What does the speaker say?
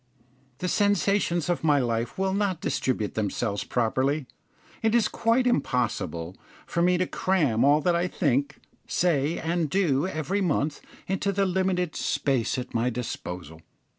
The sensations of my life will not distribute themselves properly. It is quite impossible for me to cram all that I think, say, and do every month into the limited space at my disposal.